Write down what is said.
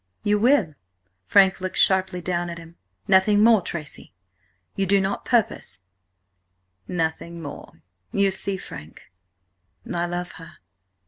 "You will?" Frank looked sharply down at him. "Nothing more, Tracy! You do not purpose—" "Nothing more. You see, Frank–I love her."